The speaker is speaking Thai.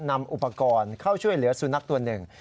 นำอุปกรณ์เข้าช่วยเหลือสุนัขตัวหนึ่ง